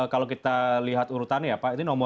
kalau kita lihat urutannya ya pak ini